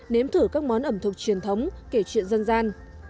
nếm thử các món ẩm thực truyền thống kể chuyện dân gian